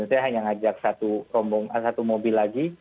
saya hanya ngajak satu rombong satu mobil lagi